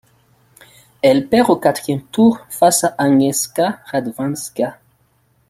Elle perd au quatrième tour face à Agnieszka Radwańska.